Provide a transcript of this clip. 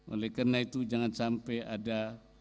oleh karena itu jangan sampai ada